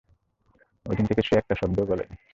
ওইদিন থেকে সে একটা শব্দ বলেনি।